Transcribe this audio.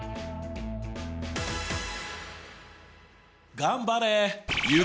頑張れ！